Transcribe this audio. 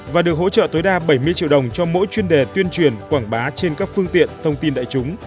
và được hỗ trợ tối đa bảy mươi triệu đồng cho mỗi chuyên đề tuyên truyền quảng bá trên các phương tiện thông tin đại chúng